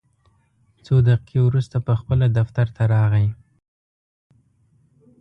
څو دقیقې وروسته پخپله دفتر ته راغی.